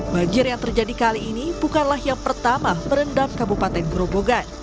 banjir yang terjadi kali ini bukanlah yang pertama merendam kabupaten gerobogan